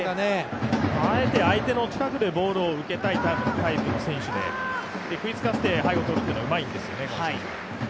あえて、相手の近くでボールを受けたいタイプの選手で食いつかせて背後を取るってのがうまいんですよね。